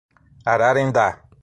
Ararendá